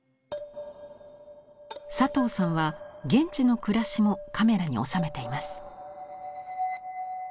佐藤さんは現地の暮らしもカメラに収めています。